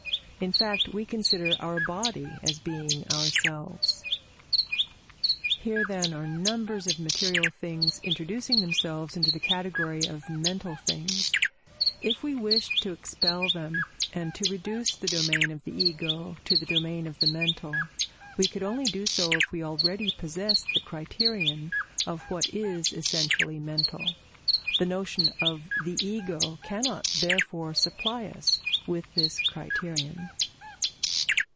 In fact, we consider our body as being ourselves. Here, then, are numbers of material things introducing themselves into the category of mental things. If we wished to expel them and to reduce the domain of the Ego to the domain of the mental, we could only do so if we already possessed the criterion of what is essentially mental. The notion of the Ego cannot therefore supply us with this criterion.